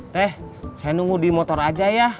teh saya nunggu di motor aja ya